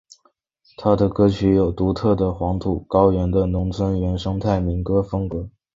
他的歌曲有着独特的黄土高原的农村原生态民歌风格。